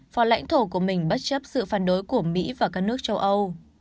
phò lãnh thổ của mình bất chấp sự phản đối của mỹ và các nước châu âu